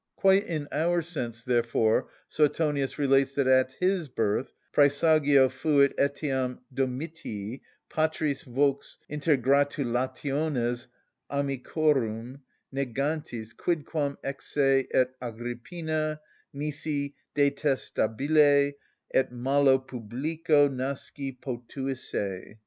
Quite in our sense, therefore, Suetonius relates that at his birth _præsagio fuit etiam Domitii, patris, vox, inter gratulationes amicorum, negantis, quidquam ex se __ et Agrippina, nisi detestabile et malo publico nasci potuisse_.